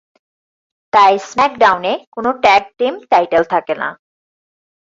তাই স্ম্যাকডাউনে কোন ট্যাগ টিম টাইটেল থাকেনা।